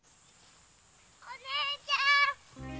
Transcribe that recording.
お姉ちゃん！